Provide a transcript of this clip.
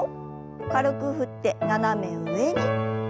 軽く振って斜め上に。